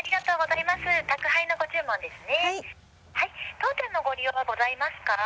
当店のご利用はございますか？